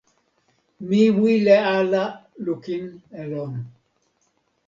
mi wile ala lukin e lon.